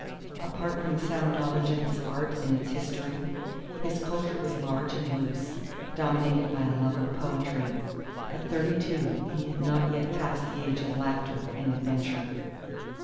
Apart from a sound knowledge of his art and its history, his culture was large and loose, dominated by a love of poetry. At thirty two he had not yet passed the age of laughter and adventure.